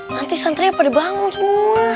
nanti santri apa dibangun semua